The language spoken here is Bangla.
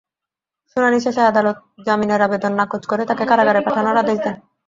শুনানি শেষে আদালত জামিনের আবেদন নাকচ করে তাঁকে কারাগারে পাঠানোর আদেশ দেন।